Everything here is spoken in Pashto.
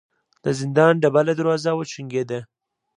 د زندان ډبله دروازه وچونګېده.